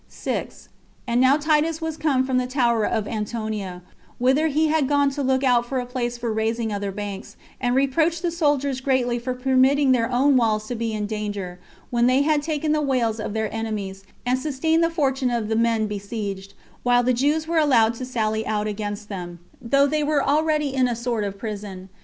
6. And now Titus was come from the tower of Antonia, whither he was gone to look out for a place for raising other banks, and reproached the soldiers greatly for permitting their own walls to be in danger, when they had taken the wails of their enemies, and sustained the fortune of men besieged, while the Jews were allowed to sally out against them, though they were already in a sort of prison.